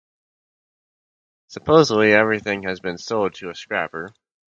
Supposedly everything has been sold to a scrapper.